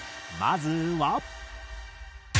まずは。